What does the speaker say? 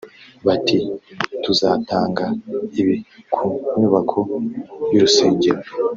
bati tuzatanga ibi ku nyubako y’urusengero